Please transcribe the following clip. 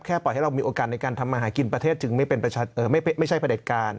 ปล่อยให้เรามีโอกาสในการทำมาหากินประเทศจึงไม่ใช่ประเด็จการ